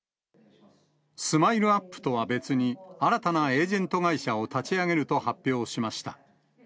スマイルアップとは別に、新たなエージェント会社を立ち上げると発表しました。